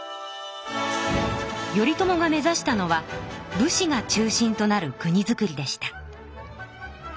頼朝が目ざしたのは武士が中心となる国づくりでした。